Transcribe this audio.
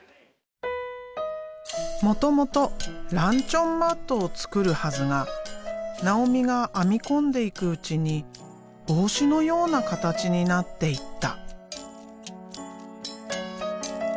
もともとランチョンマットを作るはずが尚美が編み込んでいくうちに帽子のような形になっていった。